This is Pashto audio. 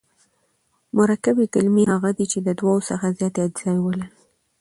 مرکبي کلیمې هغه دي، چي د دوو څخه زیاتي اجزاوي لري.